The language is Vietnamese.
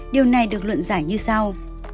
điều này được luận giải như sau